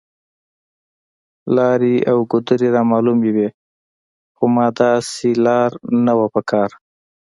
لارې او ګودرې رامعلومې وې، خو ما داسې لار نه وه په کار.